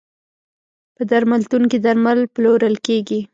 په درملتون کې درمل پلورل کیږی.